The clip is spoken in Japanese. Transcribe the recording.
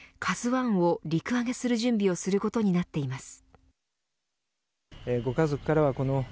１を陸揚げする準備をすることになっています。